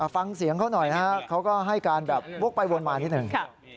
ฟังเสียงเขาหน่อยนะครับเขาก็ให้การแบบวกไปวนมานิดหนึ่ง